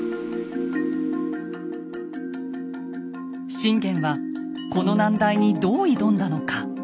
信玄はこの難題にどう挑んだのか。